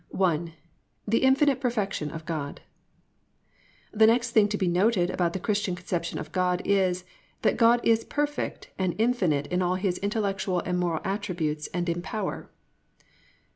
I. THE INFINITE PERFECTION OF GOD The next thing to be noted about the Christian conception of God is, that God is perfect and infinite in all His intellectual and moral attributes and in power.